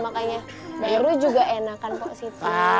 makanya baru juga enakan pak siti